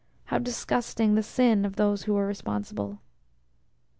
How disgusting the sin of those who are responsible!